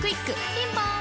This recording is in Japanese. ピンポーン